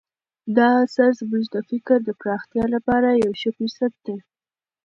دا اثر زموږ د فکر د پراختیا لپاره یو ښه فرصت دی.